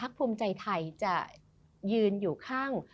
ใครจะยืนอยู่ข้าง